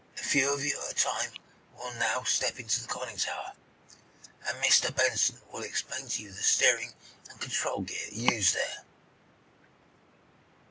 A few of you at a time will now step into the conning tower, and Mr. Benson will explain to you the steering and control gear used there."